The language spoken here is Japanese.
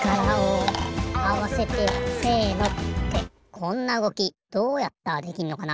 こんなうごきどうやったらできんのかな。